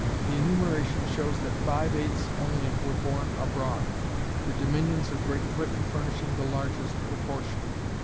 The enumeration shows that five eighths only were born abroad, the dominions of Great Britain furnishing the largest proportion.